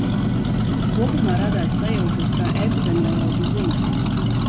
Kopumā radās sajūta, ka epidemiologi zina.